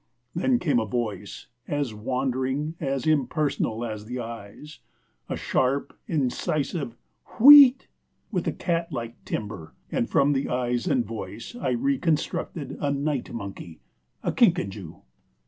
Then came a voice, as wandering, as impersonal as the eyes a sharp, incisive wheeeeeat! with a cat like timbre; and from the eyes and voice I reconstructed a night monkey a kinkajou.